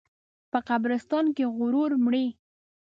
په قبرستان کې غرور مري.